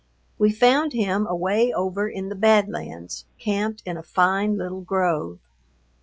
We found him away over in the bad lands camped in a fine little grove.